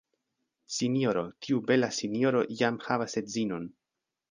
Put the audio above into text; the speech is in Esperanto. Sinjoro, tiu bela sinjoro jam havas edzinon!